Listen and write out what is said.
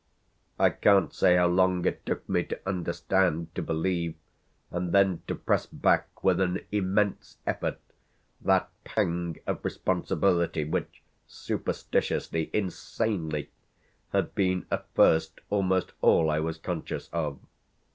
I can't say how long it took me to understand, to believe and then to press back with an immense effort that pang of responsibility which, superstitiously, insanely had been at first almost all I was conscious of.